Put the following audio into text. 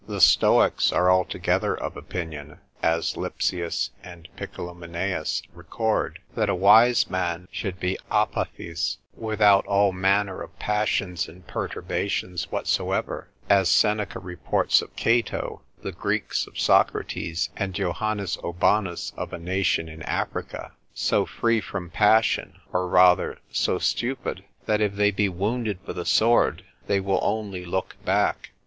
The Stoics are altogether of opinion (as Lipsius and Picolomineus record), that a wise man should be ἀπαθής, without all manner of passions and perturbations whatsoever, as Seneca reports of Cato, the Greeks of Socrates, and Io. Aubanus of a nation in Africa, so free from passion, or rather so stupid, that if they be wounded with a sword, they will only look back.